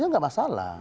itu nggak masalah